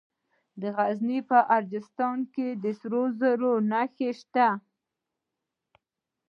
د غزني په اجرستان کې د سرو زرو نښې شته.